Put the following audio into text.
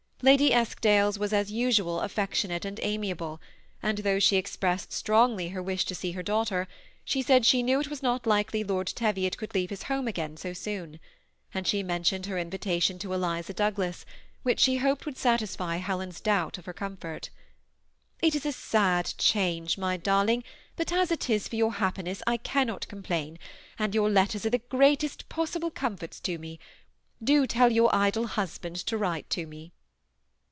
Lady £sk dale's was as usual a£fectionate and amiable; and though she expressed strongly her wish to see her daughter, she said she knew it was not likety Lord Teviot could leave his home again so soon ; eind she mentioned her invitation to Eliza Douglas, which she hoped would satisfy Helen's doubts of her comfort. << It is a sad change, my darling, but as it is for your happiness I cannot complain, and your letters are the greatest possible comfort to me. Do tell your idle husband to write to me."